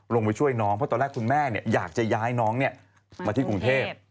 ลงไปช่วยน้องเพราะตอนแรกคุณแม่อยากจะย้ายน้องมาที่กรุงเทพ